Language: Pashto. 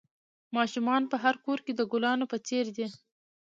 ماشومان په هر کور کې د گلانو په څېر دي.